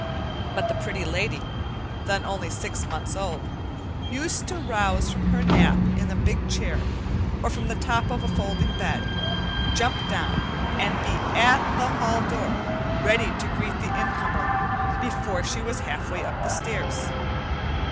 But the Pretty Lady, then only six months old, used to rouse from her nap in a big chair, or from the top of a folding bed, jump down, and be at the hall door ready to greet the incomer, before she was halfway up the stairs.